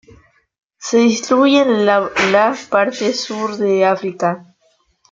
Se distribuye en la la parte sur de África.